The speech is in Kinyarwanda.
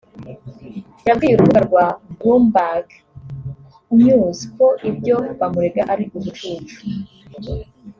yabwiye urubuga rwa Bloomberg News ko ibyo bamurega ari ubucucu